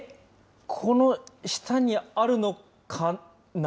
この下にあるのかな？